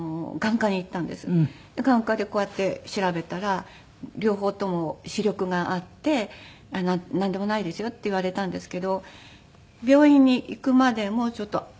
眼科でこうやって調べたら両方とも視力があって「なんでもないですよ」って言われたんですけど病院に行くまでもちょっと外に車から。